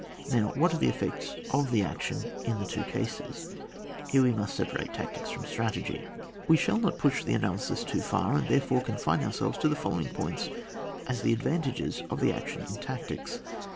— ^Now what are the effects of the action in the two cases ? Here we must sepa rate tactics from strategy. We shall not push the analysis too far, and therefore confine ourselves to the following points as the advantages of the action in tactics.